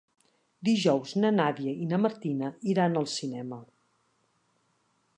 Dijous na Nàdia i na Martina iran al cinema.